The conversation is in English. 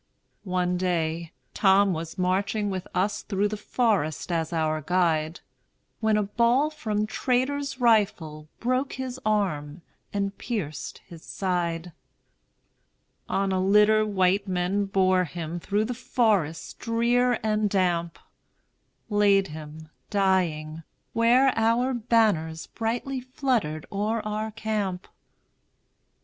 One day, Tom was marching with us Through the forest as our guide, When a ball from traitor's rifle Broke his arm and pierced his side. On a litter white men bore him Through the forest drear and damp, Laid him, dying, where our banners Brightly fluttered o'er our camp.